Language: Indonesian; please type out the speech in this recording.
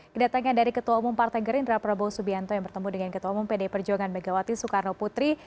kedatangan dari ketua umum partai gerindra prabowo subianto yang bertemu dengan ketua umum pd perjuangan megawati soekarno putri